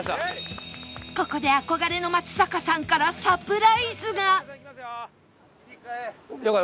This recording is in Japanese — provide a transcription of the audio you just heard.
ここで憧れの松坂さんからサプライズが